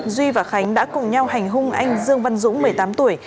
duy và khánh đã cùng nhau hành hung anh dương văn dũng một mươi tám tuổi